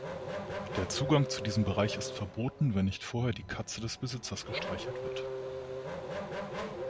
Der Zugang zu diesem Bereich ist verboten, wenn nicht vorher die Katze des Besitzers gestreichelt wird.